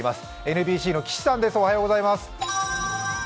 ＮＢＣの岸さんです。